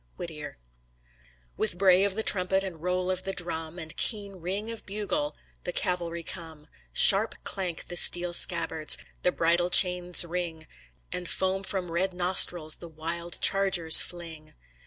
Whittier With bray of the trumpet, And roll of the drum, And keen ring of bugle The cavalry come: Sharp clank the steel scabbards, The bridle chains ring, And foam from red nostrils The wild chargers fling!